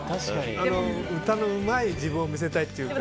歌のうまい自分を見せたいっていうか。